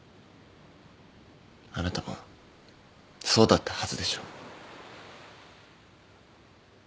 あなたもそうだったはずでしょ？